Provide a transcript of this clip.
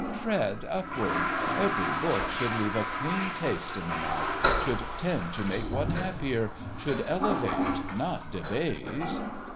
Tread upward; every book should leave a clean taste in the mouth, should tend to make one happier, should elevate, not debase.